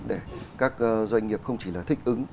để các doanh nghiệp không chỉ là thích ứng